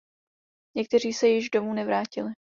Někteří se již domů nevrátili.